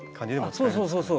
そうそうそうそう。